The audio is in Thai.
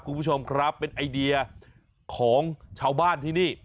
คุณผู้ชมครับเป็นไอเดียของชาวบ้านที่นี่